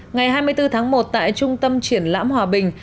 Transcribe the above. ngày hai mươi bốn tháng một tại trung tâm triển lãm hòa bình